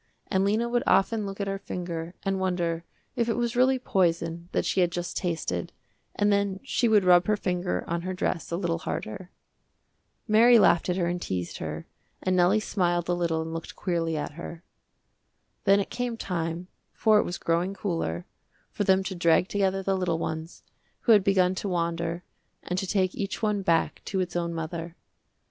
And Lena would often look at her finger and wonder if it was really poison that she had just tasted and then she would rub her finger on her dress a little harder. Mary laughed at her and teased her and Nellie smiled a little and looked queerly at her. Then it came time, for it was growing cooler, for them to drag together the little ones, who had begun to wander, and to take each one back to its own mother.